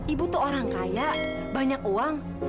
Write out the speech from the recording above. ibu tuh orang kaya banyak uang